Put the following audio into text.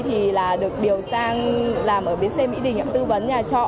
thì là được điều sang làm ở bến xe mỹ đình tư vấn nhà trọ